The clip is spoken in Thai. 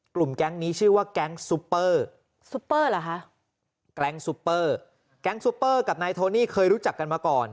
กลุ่มแก๊งนี้ชื่อว่าแก๊งซูเปอร์แก๊งซูเปอร์กับนายโทนี่เคยรู้จักกันมาก่อน